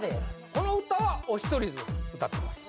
この歌はお一人で歌ってます